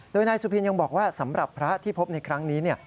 โดยนายสุพินยังบอกว่าสำหรับพระที่พบในครั้งนี้